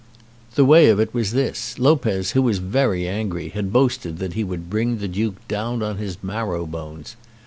The way of it was this; Lopez, who was very angry, had boasted that he would bring the Duke down on his marrow bones.